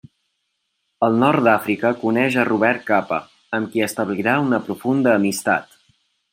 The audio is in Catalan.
Al nord d'Àfrica coneix a Robert Capa amb qui establirà una profunda amistat.